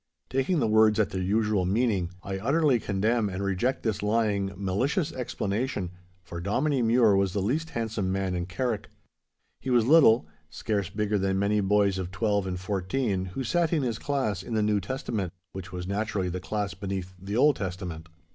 Taking the words at their usual meaning, I utterly condemn and reject this lying, malicious explanation, for Dominie Mure was the least handsome man in Carrick. He was little, scarce bigger than many boys of twelve and fourteen who sat in his class in the New Testament—which was naturally the class beneath the Old Testament.